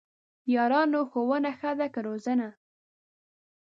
یارانو ! ښوونه ښه ده که روزنه؟!